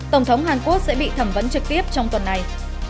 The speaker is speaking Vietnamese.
tổng thống hàn quốc sẽ bị thẩm vấn trực tiếp trong tuần này